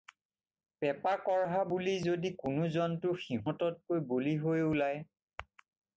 পেপা-কঢ়া বুলি যদি কোনো জন্তু সিহঁততকৈ বলী হৈ ওলায়।